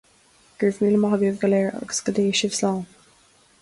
Go raibh míle maith agaibh go léir, agus go dté sibh slán